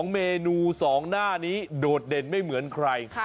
เมนู๒หน้านี้โดดเด่นไม่เหมือนใคร